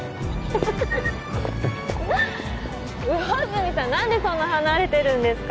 ははは魚住さん何でそんな離れてるんですか